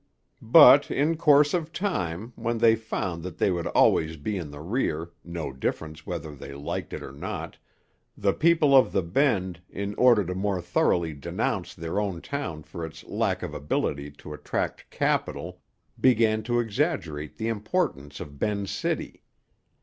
But, in course of time, when they found that they would always be in the rear, no difference whether they liked it or not, the people of the Bend, in order to more thoroughly denounce their own town for its lack of ability to attract Capital, began to exaggerate the importance of Ben's City.